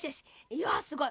いやすごい！